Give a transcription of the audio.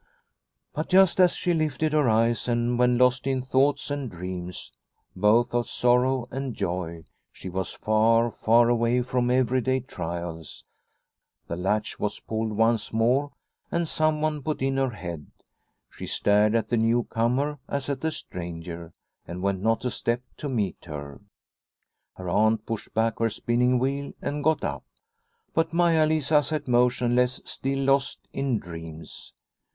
But just as she lifted her eyes and when lost in thoughts and dreams both of sorrow and joy she was far, far away from her everyday trials, the latch was pulled once more and someone put in her head. The Smith from Henriksberg 173 She stared at the new comer as at a stranger and went not a step to meet her. Her Aunt pushed back her spinning wheel and got up, but Maia Lisa sat motionless, still lost in dreams.